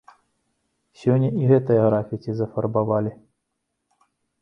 Сёння і гэтае графіці зафарбавалі.